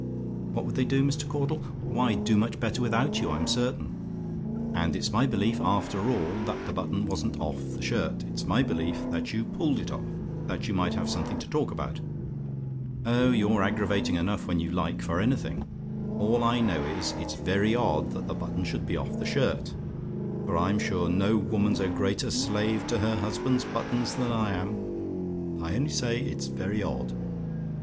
"WHAT WOULD THEY DO, MR. CAUDLE? "Why, do much better without you, I'm certain. "And it's my belief, after all, that the button wasn't off the shirt; it's my belief that you pulled it off, that you might have something to talk about. Oh, you're aggravating enough, when you like, for anything! All I know is, it's very odd that the button should be off the shirt; for I'm sure no woman's a greater slave to her husband's buttons than I am. I only say, it's very odd.